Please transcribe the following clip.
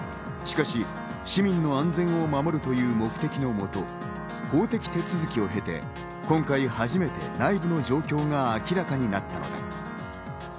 しかし市民の安全を守るという目的のもと、法的手続きを経て、今回、初めて内部の状況が明らかになったのだ。